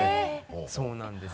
そうなんです。